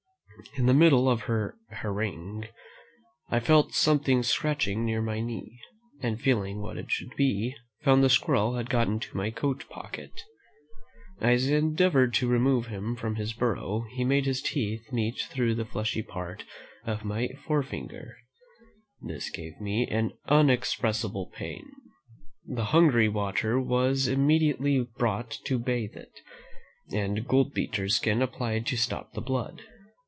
In the middle of her harangue, I felt something scratching near my knee, and feeling what it should be, found the squirrel had got into my coat pocket. As I endeavoured to remove him from his burrow, he made his teeth meet through the fleshy part of my forefinger. This gave me an unexpressible pain. The Hungary water was immediately brought to bathe it, and goldbeater's skin applied to stop the blood.